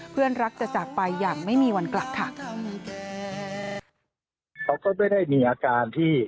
เพื่อนรักจะจากไปอย่างไม่มีวันกลับค่ะ